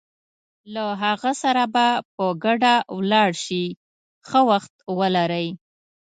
له هغه سره به په ګډه ولاړ شې، ښه وخت ولرئ.